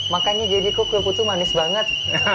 makannya jadi kue putu manis banget